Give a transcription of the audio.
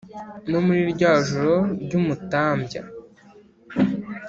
No muri rya joro ry'umutambya